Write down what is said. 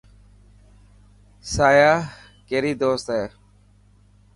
سانيا ڪيري دوست اي.